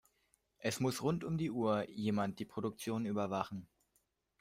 Es muss rund um die Uhr jemand die Produktion überwachen.